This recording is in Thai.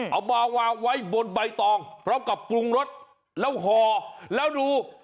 เอามาวางใบตองพร้อมกับปรุงรถแล้วห่อ